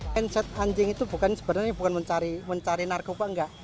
pencet anjing itu bukan sebenarnya mencari narkoba enggak